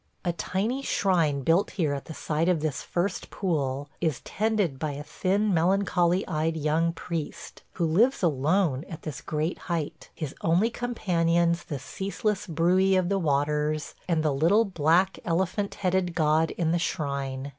A tiny shrine built here at the side of this first pool is tended by a thin melancholy eyed young priest, who lives alone at this great height, his only companions the ceaseless bruit of the waters and the little black elephant headed god in the shrine.